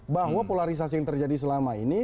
bahwa polarisasi yang terjadi selama ini